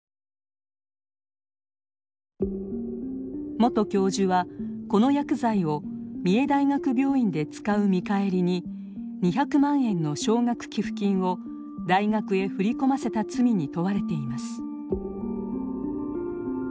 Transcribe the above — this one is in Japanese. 元教授はこの薬剤を三重大学病院で使う見返りに２００万円の奨学寄付金を大学へ振り込ませた罪に問われています。